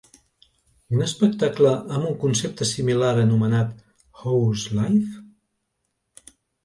Un espectacle amb un concepte similar anomenat How's Life?